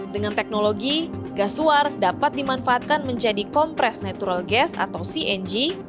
dengan teknologi gas suar dapat dimanfaatkan menjadi kompres natural gas atau cng